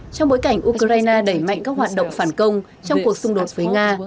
trong bối cảnh ukraine đẩy mạnh các hoạt động phản công trong cuộc xung đột với nga